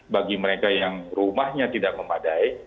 bagi mereka yang rumahnya tidak memadai